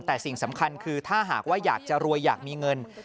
แต่สิ่งสำคัญคือถ้าหากว่าอยากจะรวยอยากมีเงิน